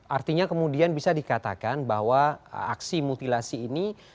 artinya kemudian bisa dikatakan bahwa aksi mutilasi ini